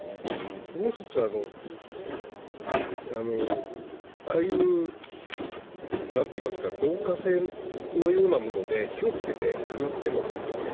あともう１つはああいう導火線のようなもので火をつけて放っているわけですね。